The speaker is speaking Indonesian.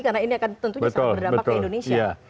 karena ini akan tentu bisa berdampak ke indonesia